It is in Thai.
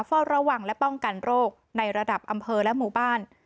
เฝ้าระวังและป้องกันโรคในระดับอำเภอและหมู่บ้าน